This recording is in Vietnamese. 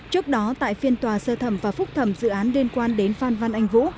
trước đó tại phiên tòa sơ thẩm và phúc thẩm dự án liên quan đến phan văn anh vũ